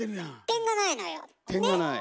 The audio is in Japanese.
点がないのよ。ね！